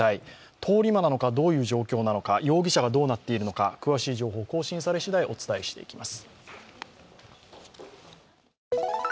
通り魔なのか、どういう状況なのか容疑者がどうなっているのか詳しい情報、更新されしだいお伝えしていきます。